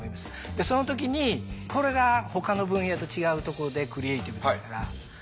でその時にこれがほかの分野と違うとこでクリエイティブですから。